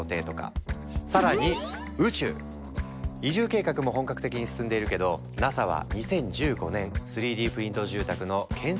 移住計画も本格的に進んでいるけどＮＡＳＡは２０１５年３Ｄプリント住宅の建設コンテストを開始。